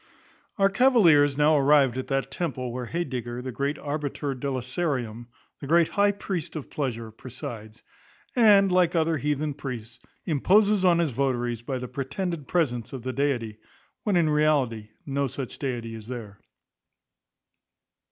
Our cavaliers now arrived at that temple, where Heydegger, the great Arbiter Deliciarum, the great high priest of pleasure, presides; and, like other heathen priests, imposes on his votaries by the pretended presence of the deity, when in reality no such deity is there.